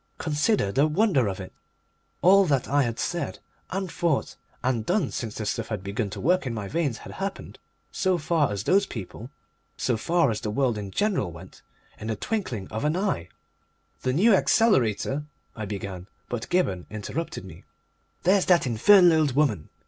Consider the wonder of it! All that I had said, and thought, and done since the stuff had begun to work in my veins had happened, so far as those people, so far as the world in general went, in the twinkling of an eye. "The New Accelerator " I began, but Gibberne interrupted me. "There's that infernal old woman!"